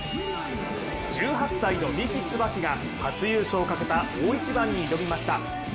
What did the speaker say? １８歳の三木つばきが初優勝をかけた大一番に挑みました。